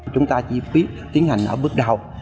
chúng ta chỉ biết tiến hành ở bước đầu